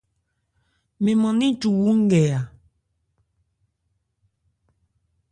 Mɛn man nɛ̂n cu wú nkɛ a.